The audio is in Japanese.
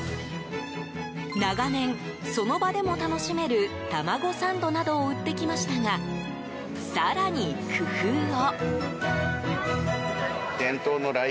長年、その場でも楽しめる卵サンドなどを売ってきましたが、更に工夫を。